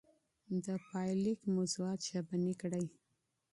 د پايليک موضوعات ژبني کړئ.